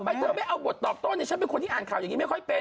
ทำไมฉันไม่เคยมาเอากบตอบต้นเช่นเป็นคนที่อ่านเข่าอย่างนี้ไม่ค่อยเป็น